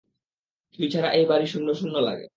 তুই ছাড়া এই বাড়ি শূন্য শূন্য লাগে।